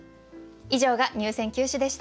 以上が入選九首でした。